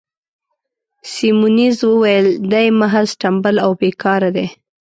سیمونز وویل: دی محض ټمبل او بې کاره دی.